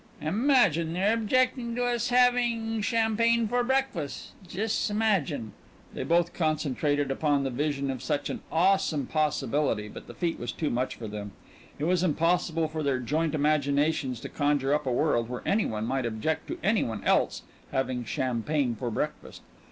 "Imagine their objecting to us having, champagne for breakfast jus' imagine." They both concentrated upon the vision of such an awesome possibility, but the feat was too much for them. It was impossible for their joint imaginations to conjure up a world where any one might object to any one else having champagne for breakfast.